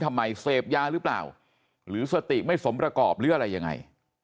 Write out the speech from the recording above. ทำไมเสพยาหรือเปล่าหรือสติไม่สมประกอบหรืออะไรยังไง